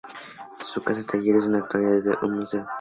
Su casa taller es en la actualidad un Museo.